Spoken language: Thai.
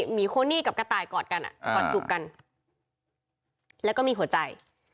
หมีโคนี่กับกระต่ายกอดกันกอดจุกกันแล้วก็มีหัวใจ